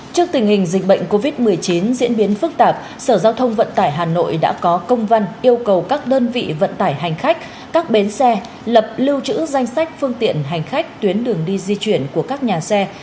trước tình hình dịch bệnh covid một mươi chín diễn biến phức tạp sở giao thông vận tải hà nội đã có công văn yêu cầu các đơn vị vận tải hành khách các bến xe lập lưu trữ danh sách phương tiện hành khách tuyến đường đi di chuyển của các nhà xe